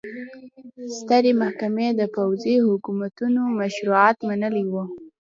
سترې محکمې د پوځي حکومتونو مشروعیت منلی و.